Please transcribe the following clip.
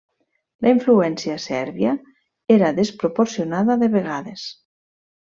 La influència sèrbia era desproporcionada de vegades.